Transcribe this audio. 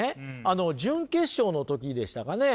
準決勝の時でしたかね